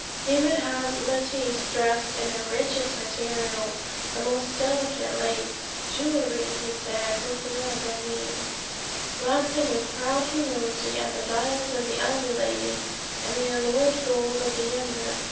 He would have Lettice dressed in the richest materials, the most delicate lace; jewellery, he said, was beyond their means; glancing with proud humility at the diamonds of the elder ladies, and the alloyed gold of the younger.